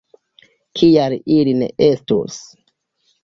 Kial ili ne estus?